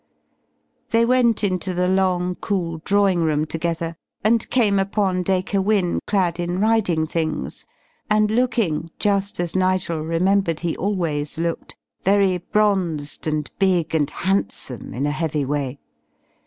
They went into the long, cool drawing room together, and came upon Dacre Wynne, clad in riding things, and looking, just as Nigel remembered he always looked, very bronzed and big and handsome in a heavy way.